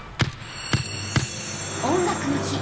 「音楽の日」